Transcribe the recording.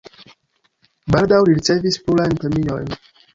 Baldaŭ li ricevis plurajn premiojn.